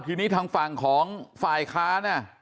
ทีนี้ทางฝั่งของฝ่ายค้าน